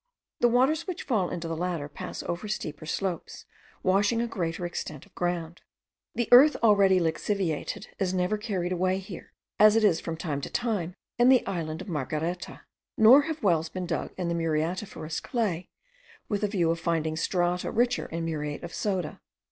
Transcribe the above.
The waters which fall into the latter pass over steeper slopes, washing a greater extent of ground. The earth already lixiviated is never carried away here, as it is from time to time in the island of Margareta; nor have wells been dug in the muriatiferous clay, with the view of finding strata richer in muriate of soda.